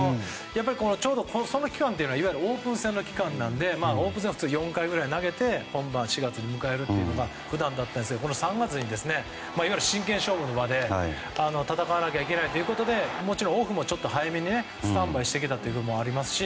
ちょうどその期間はオープン戦の期間なのでオープン戦は４回くらい投げて本番の４月を迎えるのが普段だったんですが３月に真剣勝負の場で戦わなきゃいけないということでオフも早めにスタンバイしてきたということもありますし